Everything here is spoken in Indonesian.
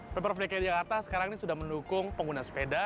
pemperfilek di jakarta sekarang ini sudah mendukung pengguna sepeda